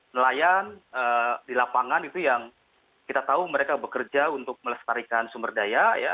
nelayan di lapangan itu yang kita tahu mereka bekerja untuk melestarikan sumber daya